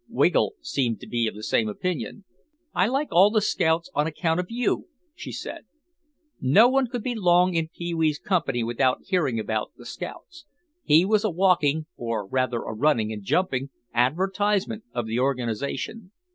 Wiggle seemed to be of the same opinion. "I like all the scouts on account of you," she said. No one could be long in Pee wee's company without hearing about the scouts; he was a walking (or rather a running and jumping) advertisement of the organization.